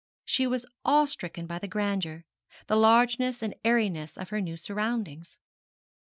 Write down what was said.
She was awe stricken by the grandeur the largeness and airiness of her new surroundings.